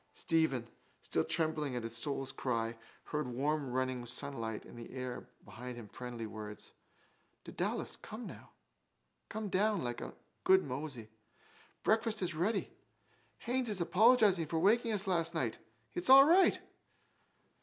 Stephen, still trembling at his soul's cry, heard warm running sunlight and in the air behind him friendly words. —Dedalus, come down, like a good mosey. Breakfast is ready. Haines is apologising for waking us last night. It's all right.